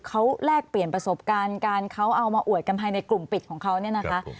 เขาแลกเปลี่ยนประสบการณ์การเขาเอามาอวดกันภายในกลุ่มปิดของเขาเนี่ยนะคะ